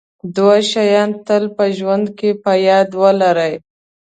دوه شیان تل په ژوند کې په یاد ولرئ.